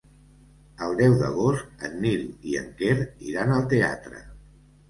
El deu d'agost en Nil i en Quer iran al teatre.